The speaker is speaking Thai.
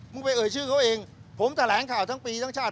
ไปเอ่ยชื่อเขาเองผมแถลงข่าวทั้งปีทั้งชาติ